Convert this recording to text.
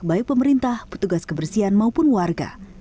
baik pemerintah petugas kebersihan maupun warga